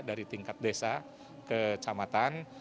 dari tingkat desa ke camatan